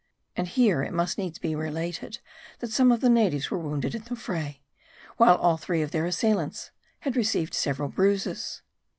And here it must needs be related, that some of the natives were wounded in the fray : while all three of their assailants had received several bruises.